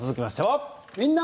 「みんな！